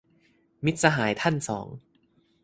มิตรสหายท่านสอง